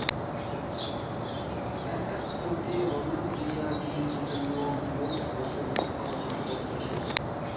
ئەخەت تۇردى رومان ئىجادىيىتىدىمۇ مول ھوسۇل ئالغان يازغۇچى.